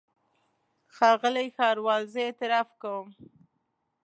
ښاغلی ښاروال زه اعتراف کوم.